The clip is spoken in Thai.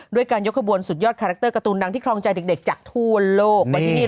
ด้วยการยกขบวนสุดยอดคาแรคเตอร์การ์ตูนดังที่ครองใจเด็กจากทั่วโลก